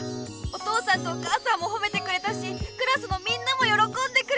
お父さんとお母さんもほめてくれたしクラスのみんなもよろこんでくれた！